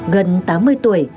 gần tám mươi tuổi